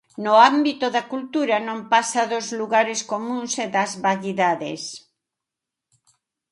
No ámbito da cultura, non pasa dos lugares comúns e das vaguidades.